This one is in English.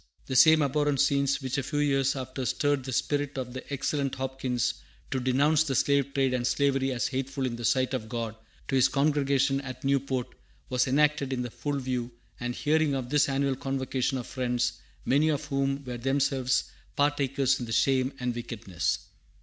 The same abhorrent scenes which a few years after stirred the spirit of the excellent Hopkins to denounce the slave trade and slavery as hateful in the sight of God to his congregation at Newport were enacted in the full view and hearing of the annual convocation of Friends, many of whom were themselves partakers in the shame and wickedness.